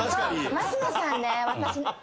升野さんね